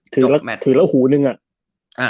ถือแล้วหูนึงอ่ะ